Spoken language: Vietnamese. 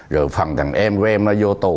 rồi phần thằng em của em nó vô tù